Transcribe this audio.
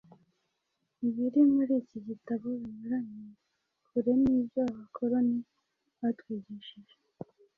Ibiri muri iki gitabo binyuranye kure n’ibyo abakoroni batwigishije,